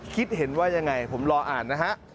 คิดเห็นว่ายังไงผมรออ่านนะฮะ